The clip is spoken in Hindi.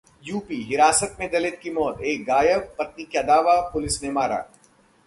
यूपी: हिरासत में दलित की मौत, एक गायब, पत्नी का दावा- पुलिस ने मारा